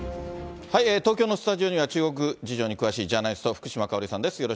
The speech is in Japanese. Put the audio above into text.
東京のスタジオには、中国事情に詳しいジャーナリスト、福島香織さんです。